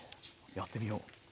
やってみよう。